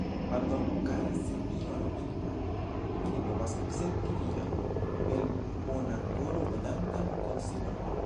Pardonu, kara sinjoro Inman; mi ne povas akcepti vian, el bona koro venantan konsilon.